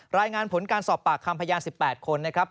รายงานผลการสอบปากคำพยายาม๑๘คน